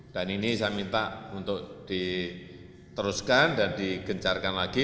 dan ini saya minta untuk diteruskan dan digencarkan lagi